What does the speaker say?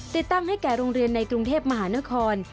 ติดตั้งให้แก่โรงเรียนในกรุงเทพมหานคร